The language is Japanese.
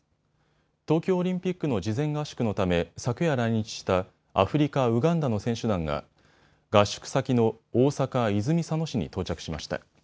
東京オリンピックの事前合宿のため昨夜、来日したアフリカ・ウガンダの選手団が合宿先の大阪泉佐野市に到着しました。